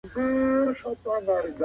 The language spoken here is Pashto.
د انزوا څخه هیواد وتلی و.